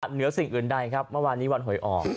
เหนือสิ่งอื่นใดครับเมื่อวานนี้วันหวยออก